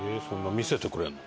見せてくれるの？